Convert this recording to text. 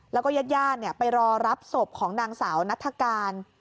แล้วก็ญาติไปรอรับศพของนางสาวนัฐกาล